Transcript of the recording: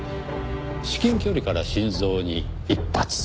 至近距離から心臓に一発。